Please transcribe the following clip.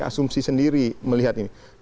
asumsi sendiri melihat ini